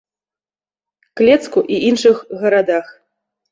Клецку і іншых гарадах.